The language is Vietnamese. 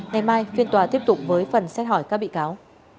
ngày mai phiên tòa tiếp tục với phần xét hỏi các bị cáo